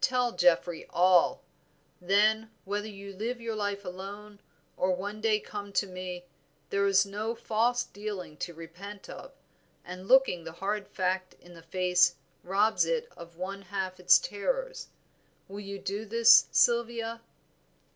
Tell Geoffrey all; then, whether you live your life alone, or one day come to me, there is no false dealing to repent of, and looking the hard fact in the face robs it of one half its terrors. Will you do this, Sylvia?"